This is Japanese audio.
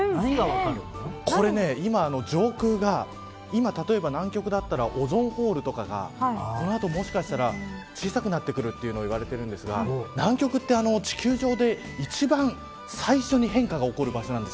これ、今上空が例えば南極だったらオゾンホールとかがこの後もしかしたら小さくなってくると言われてるんですが南極って地球上で一番最初に変化が起こる場所なんです。